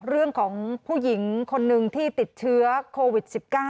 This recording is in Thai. เรื่องของผู้หญิงคนหนึ่งที่ติดเชื้อโควิด๑๙